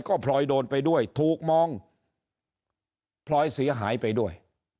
ก็พลอยโดนไปด้วยถูกมองพลอยเสียหายไปด้วย